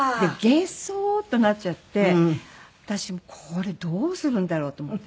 ゲソッとなっちゃって私もこれどうするんだろう？と思って。